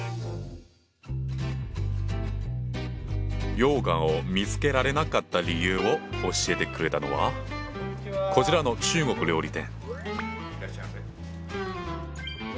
羊羹を見つけられなかった理由を教えてくれたのはこちらの中国料理店。